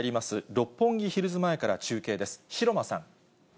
六本木ヒルズ前から中継です。